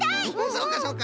そうかそうか。